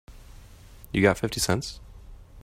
You got fifty cents?